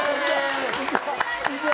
こんにちは。